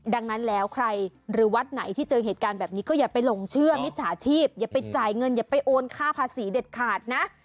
ดังนั้นแล้วใครหรือวัดไหนที่เจอเหตุการณ์แบบนี้ก็อย่าไปหลงเชื่อมิจฉาชีพอย่าไปจ่ายเงินอย่าไปโอนค่าภาษีเด็ดขาดนะ